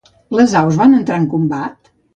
Les aus van entrar en combat?